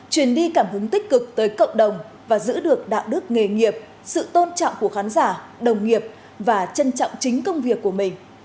truyền đi cảm hứng tích cực tới cộng đồng và giữ được đạo đức nghề nghiệp sự tôn trọng của khán giả đồng nghiệp và trân trọng chính công việc của mình